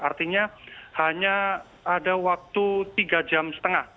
artinya hanya ada waktu tiga lima jam